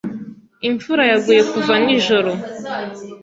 Imvura yaguye kuva nijoro.